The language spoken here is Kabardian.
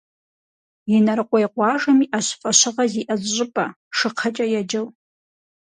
Инарыкъуей къуажэм иӏэщ фӏэщыгъэ зиӏэ зы щӏыпӏэ, «Шыкхъэкӏэ» еджэу.